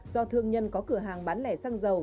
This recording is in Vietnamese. do thương nhân có cửa hàng bán lẻ xăng dầu